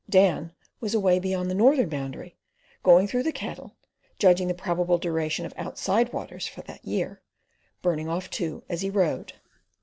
Dan was away beyond the northern boundary, going through the cattle, judging the probable duration of "outside waters" for that year, burning off too as he rode.